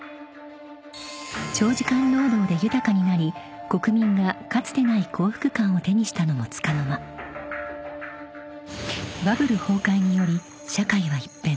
［長時間労働で豊かになり国民がかつてない幸福感を手にしたのもつかの間バブル崩壊により社会は一変］